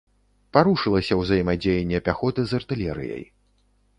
Парушылася ўзаемадзеянне пяхоты з артылерыяй.